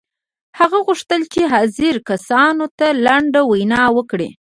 هغه غوښتل چې حاضرو کسانو ته لنډه وینا وکړي